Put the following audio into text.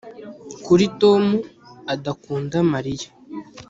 kuki tom adakunda mariya